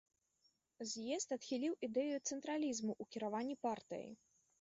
З'езд адхіліў ідэю цэнтралізму ў кіраванні партыяй.